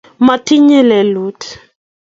matinye lelut